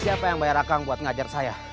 siapa yang bayar akang buat ngajar saya